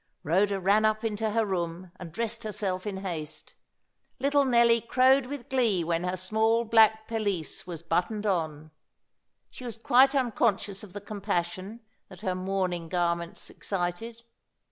Rhoda ran up into her room, and dressed herself in haste. Little Nelly crowed with glee when her small black pelisse was buttoned on. She was quite unconscious of the compassion that her mourning garments excited.